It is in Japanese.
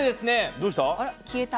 どうした？